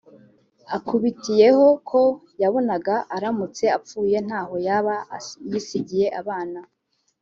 akubitiyeho ko yanabonaga aramutse apfuye ntaho yaba yisigiye abana